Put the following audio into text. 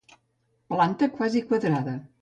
Planta quasi quadrada.